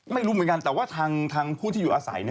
ไม่รู้เหมือนกันแต่ว่าทางผู้ที่อยู่อาศัย